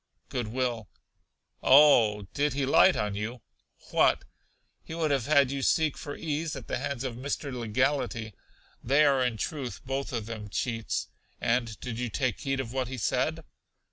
Good will. Oh, did he light on you? What! He would have had you seek for ease at the hands of Mr. Legality. They are, in truth, both of them cheats. And did you take heed of what he said?